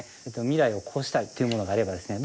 未来をこうしたいというものがあればですね